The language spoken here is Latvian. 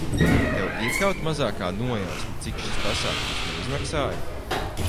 Tev ir kaut mazākā nojausma, cik šis pasākums man izmaksāja?